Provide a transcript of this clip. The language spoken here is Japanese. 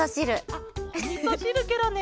あっおみそしるケロね。